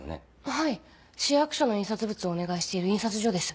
はい市役所の印刷物をお願いしている印刷所です。